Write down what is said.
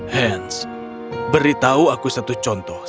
hans beritahu aku satu contoh